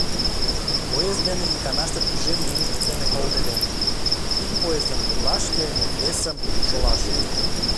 — Поезд дене иканаште тӱжем еҥ дене колтедем: ик поездым — пурлашке, весым — шолашке.